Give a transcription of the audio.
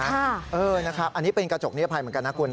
อันนี้เป็นกระจกนิรภัยเหมือนกันนะคุณ